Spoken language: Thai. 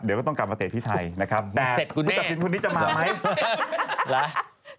เดี๋ยวก็ต้องกลับมาเตะที่ไทยนะครับแต่ผู้ตัดสินคนนี้จะมาไหมล่ะ